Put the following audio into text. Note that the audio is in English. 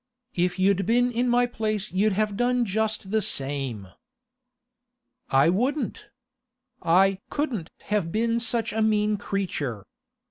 If you'd been in my place you'd have done just the same.' 'I wouldn't! I couldn't have been such a mean creature!